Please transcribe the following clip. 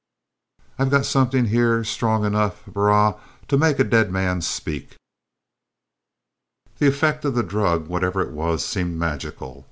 "I've got something here shtrang enough, begorrah, to make a dead man spake!" The effect of the drug, whatever it was, seemed magical.